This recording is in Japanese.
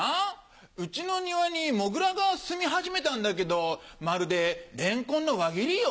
うちの庭にモグラがすみ始めたんだけどまるでレンコンの輪切りよ？